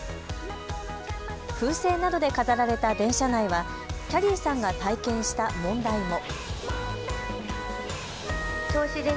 風船などで飾られた電車内はキャリーさんが体験した問題も。